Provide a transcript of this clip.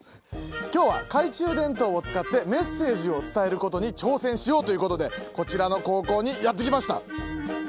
今日は懐中電灯を使ってメッセージを伝えることに挑戦しようということでこちらの高校にやって来ました。